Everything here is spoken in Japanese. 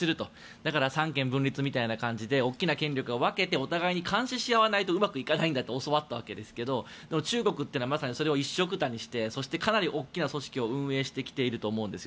だから、三権分立みたいに大きな権力は分けてお互いに監視しないとうまくいかないんだって教わったわけですが中国というのはそれを一緒くたにしてそして、かなり大きな組織を運営していると思うんです。